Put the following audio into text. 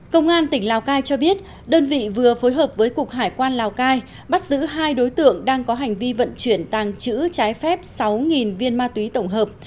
công an tỉnh lào cai cho biết đơn vị vừa phối hợp với cục hải quan lào cai bắt giữ hai đối tượng đang có hành vi vận chuyển tàng chữ trái phép sáu viên ma túy tổng hợp